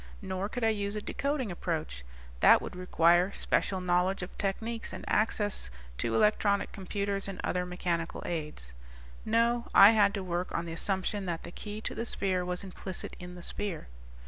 Nor could I use a decoding approach that would require special knowledge of techniques and access to electronic computers and other mechanical aids. No, I had to work on the assumption that the key to the sphere was implicit in the sphere."